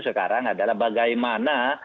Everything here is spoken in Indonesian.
sekarang adalah bagaimana